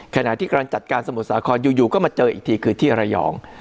ขณะที่กำลังจัดการสมุทรสาครอยู่ก็มาเจออีกทีคือที่ระยอง